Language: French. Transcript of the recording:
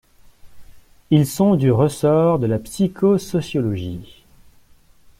Ils sont du ressort de la psychosociologie.